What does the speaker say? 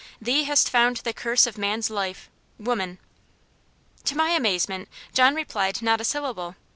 Thee hast found the curse of man's life woman." To my amazement, John replied not a syllable.